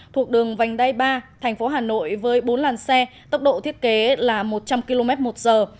thuộc đường vành đai ba thành phố hà nội với bốn làn xe tốc độ thiết kế là một trăm linh km một giờ